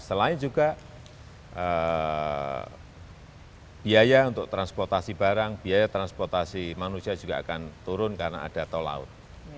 selain juga biaya untuk transportasi barang biaya transportasi manusia juga akan turun karena ada tol laut